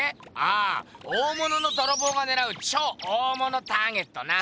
ああ大物のどろぼうがねらう超大物ターゲットな！